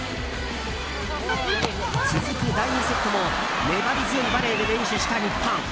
続く第２セットも粘り強いバレーで連取した日本。